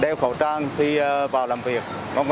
đeo khẩu trang khi vào làm việc